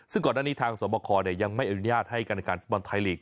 ซึ่งก่อนหน้านี้ทางสวบคยังไม่อนุญาตให้การในการฟุตบอลไทยลีก